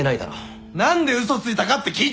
何で嘘ついたかって聞いてるんだ！